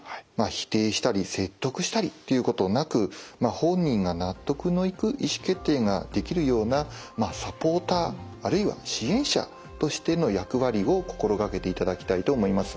否定したり説得したりっていうことなく本人が納得のいく意思決定ができるようなサポーターあるいは支援者としての役割を心掛けていただきたいと思います。